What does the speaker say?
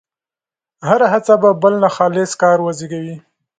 هره هڅه به بل ناخالص کار وزېږوي.